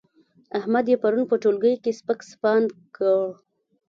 احمد يې پرون په ټولګي کې سپک سپاند کړ.